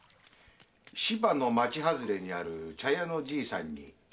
芝の町外れにある茶屋のじいさんに話を聞きました。